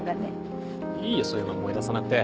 いいよそういうの思い出さなくて。